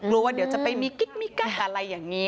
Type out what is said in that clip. ว่าเดี๋ยวจะไปมีกิ๊กมีกั้งอะไรอย่างนี้